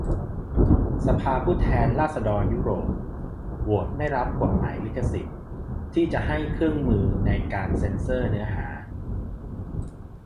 สภาผู้แทนราษฏรยุโรป โหวตไม่รับกฎหมายลิขสิทธิ์ที่จะให้เครื่องมือในการเซ็นเซอร์เนื้อหา